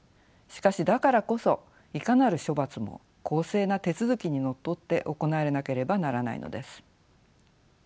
しかしだからこそいかなる処罰も公正な手続きにのっとって行われなければならないのです。